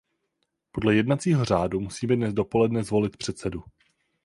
Podle jednacího řádu musíme dnes dopoledne zvolit předsedu.